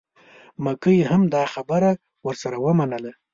مکۍ هم دا خبره ورسره ومنله.